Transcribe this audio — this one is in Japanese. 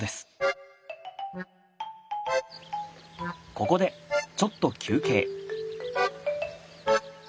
ここでちょっと休憩。